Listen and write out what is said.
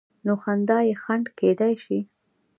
نو خندا یې خنډ کېدای شي.